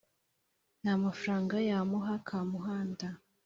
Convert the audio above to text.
nta mafaranga yamuhaye.kamuhanda